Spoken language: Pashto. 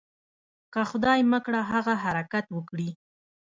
که خدای مه کړه هغه حرکت وکړي.